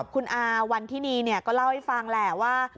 คุณอาวันทินีก็เล่าให้ฟังแหละว่า